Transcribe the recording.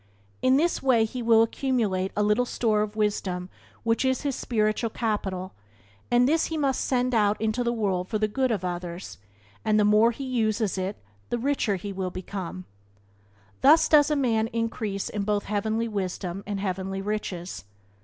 In this way he will accumulate a little store of wisdom which is his spiritual capital, and this he must send out into the world for the good of others, and the more he uses it the richer will he become. Thus does a man increase in both heavenly wisdom and heavenly riches.